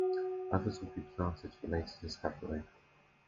Others would be planted for later discovery.